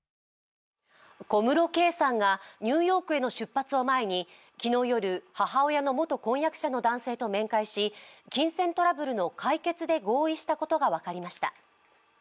小室圭さんがニューヨークへの出発を前に昨日夜、母親の元婚約者の男性と面会し金銭トラブルの解決で合意したことが分かりました。